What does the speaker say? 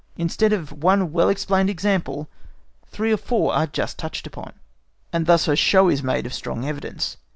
Instead of one well explained example, three or four are just touched upon, and thus a show is made of strong evidence.